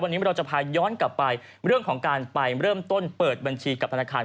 วันนี้เราจะพาย้อนกลับไปเรื่องของการไปเริ่มต้นเปิดบัญชีกับธนาคาร